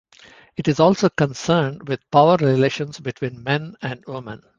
It is also concerned with power relations between men and women.